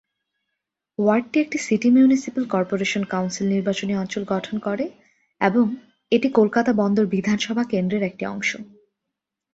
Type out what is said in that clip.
ওয়ার্ডটি একটি city municipal corporation council নির্বাচনী অঞ্চল গঠন করে এবং এটি কলকাতা বন্দর বিধানসভা কেন্দ্রর একটি অংশ।